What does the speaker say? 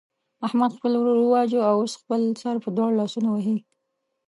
احمد خپل ورور وواژه او اوس خپل سر په دواړو لاسونو وهي.